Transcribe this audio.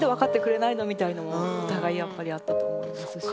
そうですねお互いやっぱりあったと思いますし。